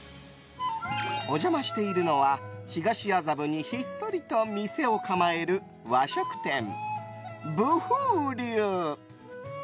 お邪魔しているのは東麻布にひっそり店を構える和食店、不風流。